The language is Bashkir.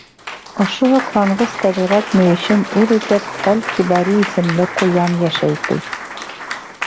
Ошо һоҡланғыс тәбиғәт мөйөшөн үҙ итеп Әл-Кибари исемле ҡуян йәшәй, ти.